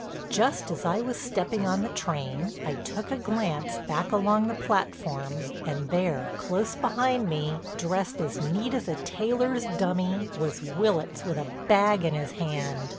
Just as I was stepping on the train I took a glance back along the platform and there, close behind me, dressed as neat as a tailor's dummy, was Willitts with a bag in his hand.